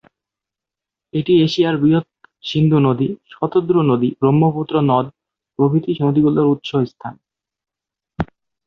এটি এশিয়ার বৃহৎ সিন্ধু নদী, শতদ্রু নদী, ব্রহ্মপুত্র নদ প্রভৃতি নদীগুলোর উৎস স্থান।